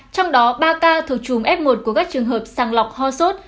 trong đó ba ca thuộc chùm f một của các trường hợp sàng lọc ho sốt